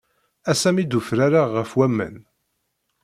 Ass-a mi d-ufrareɣ ɣef waman.